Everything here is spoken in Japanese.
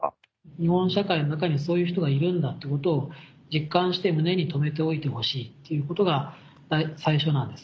日本社会の中にそういう人がいるんだってことを実感して胸に留めておいてほしいっていうことが最初なんです。